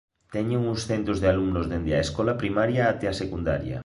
Teñen uns centos de alumnos dende a escola primaria até a secundaria.